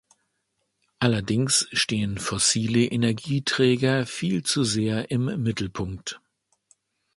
Allerdings stehen fossile Energieträger viel zu sehr im Mittelpunkt.